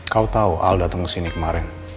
kau tahu alda datang kesini kemarin